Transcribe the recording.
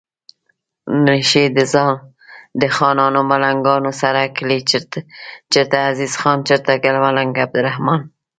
نشي د خانانو ملنګانو سره کلي چرته عزیز خان چرته ملنګ عبدالرحمان